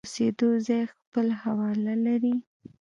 د اوسېدو ځای خپل حواله لري.